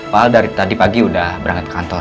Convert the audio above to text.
pak al dari tadi pagi udah berangkat ke kantor